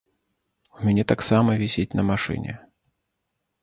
У мяне таксама вісіць на машыне.